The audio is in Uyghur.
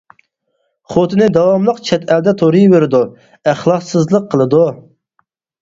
خوتۇنى داۋاملىق چەت ئەلدە تۇرۇۋېرىدۇ، ئەخلاقسىزلىق قىلىدۇ.